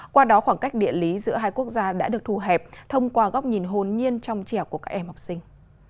qua đó khoảng cách địa lý giữa hai quốc gia đã được thu hẹp thông qua góc nhìn hồn nhiên trong trẻo của các em học sinh